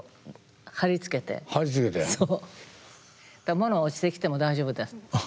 物落ちてきても大丈夫です。